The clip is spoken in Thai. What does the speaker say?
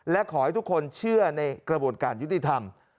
และขอให้ทุกคนเชื่อในกระบวนการยุติธรรม